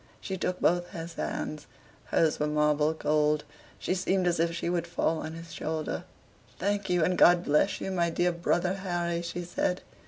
She took both his hands, hers were marble cold. She seemed as if she would fall on his shoulder. "Thank you, and God bless you, my dear brother Harry," she said.